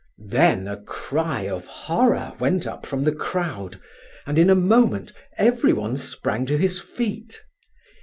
Then a cry of horror went up from the crowd, and in a moment every one sprang to his feet.